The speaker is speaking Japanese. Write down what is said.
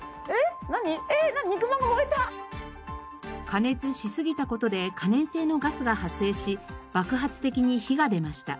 加熱しすぎた事で可燃性のガスが発生し爆発的に火が出ました。